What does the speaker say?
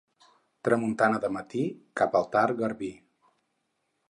Tramuntana de matí, cap al tard, garbí.